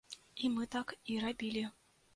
І мы так і рабілі.